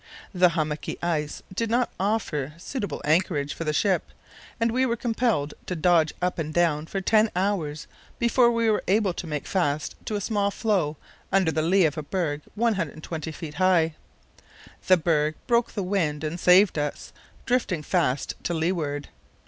The hummocky ice did not offer a suitable anchorage for the ship, and we were compelled to dodge up and down for ten hours before we were able to make fast to a small floe under the lee of a berg 120 ft. high. The berg broke the wind and saved us drifting fast to leeward.